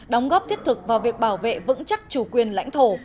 đóng góp thiết thực vào việc bảo vệ vững chắc chủ quyền lãnh thổ